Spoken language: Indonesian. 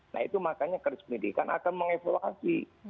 nah itu makanya resipi bidikan akan mengevaluasi